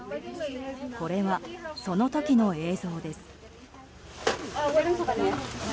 これはその時の映像です。